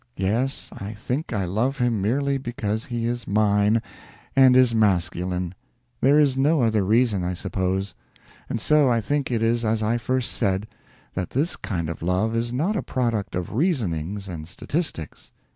Yes, I think I love him merely because he is _mine _and is masculine. There is no other reason, I suppose. And so I think it is as I first said: that this kind of love is not a product of reasonings and statistics.